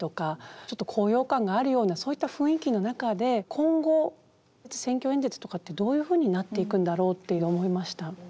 ちょっと高揚感があるようなそういった雰囲気の中で今後選挙演説とかってどういうふうになっていくんだろうっていうのも思いました。